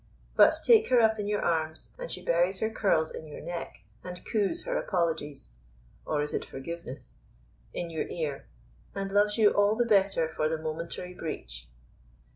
But take her up in your arms, and she buries her curls in your neck, and coos her apologies (or is it forgiveness?) in your ear, and loves you all the better for the momentary breach.